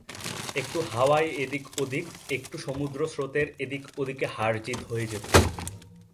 একটু হাওয়ার এদিক ওদিক, একটু সমুদ্র-স্রোতের এদিক ওদিকে হার জিত হয়ে যেত।